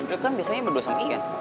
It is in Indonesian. lo kan biasanya berdua sama ian